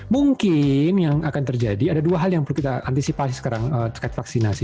mungkin yang akan terjadi ada dua hal yang perlu kita antisipasi sekarang terkait vaksinasi